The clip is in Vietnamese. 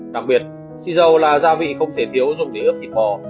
đặc biệt xì dầu là gia vị không thể thiếu dùng để ướp thịt bò